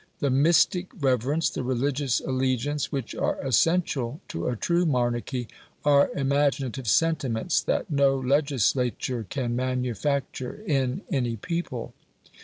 The mystic reverence, the religious allegiance, which are essential to a true monarchy, are imaginative sentiments that no legislature can manufacture in any people.